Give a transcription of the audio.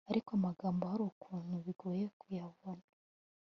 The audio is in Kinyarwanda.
ariko amagambo hari ukuntu bigoye kuyabona